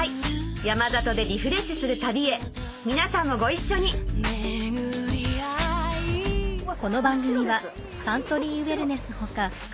山里でリフレッシュする旅へ皆さんもご一緒にあっ！